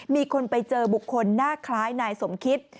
มีคนไปเจอบุคคลหน้าคล้ายนายสมคิต